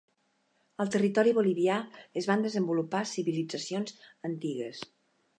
Al territori bolivià es van desenvolupar civilitzacions antigues.